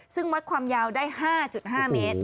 ซึ่งวัดความยาวได้๕๕เมตร